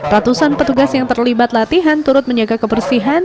ratusan petugas yang terlibat latihan turut menjaga kebersihan